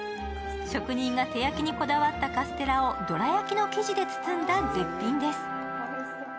職人が手焼きにこだわったカステラをどら焼の生地で包んだ絶品です。